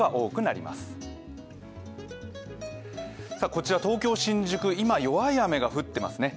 こちら、東京・新宿、今、弱い雨が降ってますね。